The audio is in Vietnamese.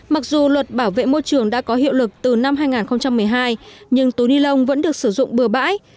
mặc dù luật bảo vệ môi trường đã có hiệu lực từ năm hai nghìn một mươi hai nhưng túi ni lông vẫn được sử dụng bừa bãi